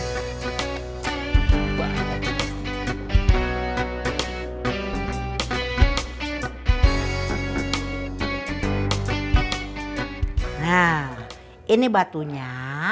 nah ini batunya